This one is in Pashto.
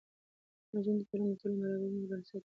د نجونو تعلیم د ټولنې برابرۍ بنسټ دی.